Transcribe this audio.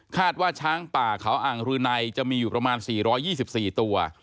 คาดว่าช้างป่าขาวอังษ์รือในจะมีอยู่ประมาณ๔๒๔ตัว